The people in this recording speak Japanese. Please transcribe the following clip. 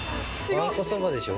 わんこそばでしょ。